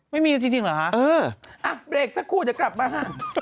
ไม่มีจริงเหรอคะเอออ่ะเบรกสักครู่เดี๋ยวกลับมาฮะ